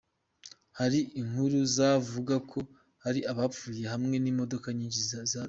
Hari inkuru zavuga ko hari abapfuye hamwe n'imodoka nyinshi zatwawe.